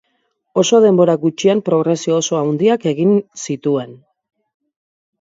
Oso denbora gutxian progresio oso handiak egin zituen.